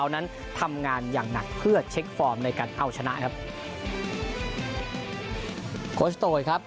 นั้นทำงานอย่างหนักเพื่อเช็คฟอร์มในการเอาชนะครับ